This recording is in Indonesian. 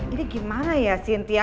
ini gimana ya sintia